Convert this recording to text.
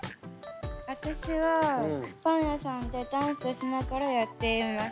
私はパン屋さんでダンスしながらやっています。